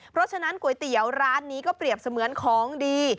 เพราะฉะนั้นก๋วยเตี๋ยวร้านนี้ก็เปรียบเสมือนของดี